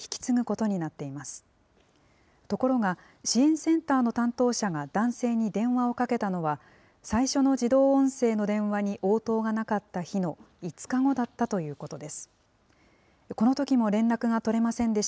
ところが支援センターの担当者が男性に電話をかけたのは、最初の自動音声の電話に応答がなかった日の５日後だったということです。